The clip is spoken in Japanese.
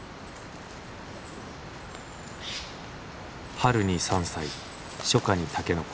春に山菜初夏に竹の子。